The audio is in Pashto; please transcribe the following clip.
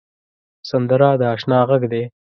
سندره د اشنا غږ دی